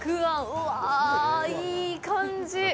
うわ、いい感じ。